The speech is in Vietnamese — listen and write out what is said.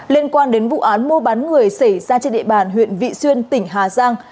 liên quan đến vụ án mô bắn người xảy ra trên địa bàn huyện vị xuyên tỉnh hà giang